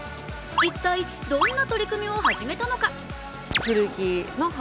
一体どんな取り組みを始めたのか？